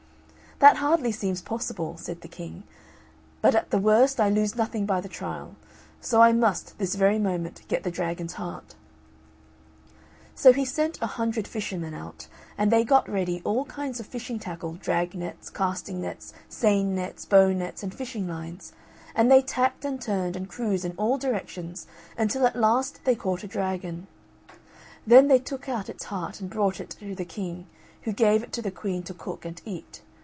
"That hardly seems possible," said the King, "but at the worst I lose nothing by the trial; so I must, this very moment, get the dragon's heart." So he sent a hundred fishermen out; and they got ready all kinds of fishing tackle, drag nets, casting nets, seine nets, bow nets, and fishing lines; and they tacked and turned and cruised in all directions until at last they caught a dragon; then they took out its heart and brought it to the King, who gave it to the Queen to cook and eat.